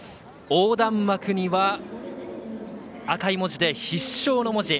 横断幕には赤い文字で「必勝」の文字。